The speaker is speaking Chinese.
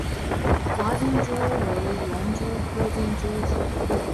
杂金蛛为园蛛科金蛛属的动物。